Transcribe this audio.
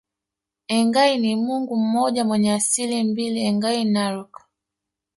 Engai ni Mungu mmoja mwenye asili mbili Engai Narok